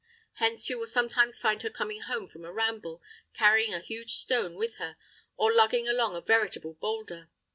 Hence you will sometimes find her coming home from a ramble, carrying a huge stone with her, or lugging along a veritable boulder.